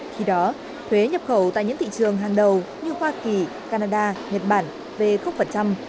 khi đó thuế nhập khẩu tại những thị trường hàng đầu như hoa kỳ canada nhật bản về sẽ giúp tài năng